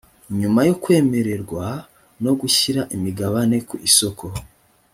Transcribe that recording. nyuma yo kwemererwa no gushyira imigabane ku isoko